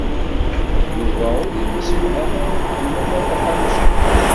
Yuba ur yemsefham ara d Ḥemmama Taḥawcint.